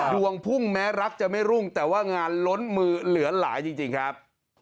ดวงพุ่งแม้รักจะไม่รุ่งแต่ว่างานล้นมือเหลือหลายจริงครับ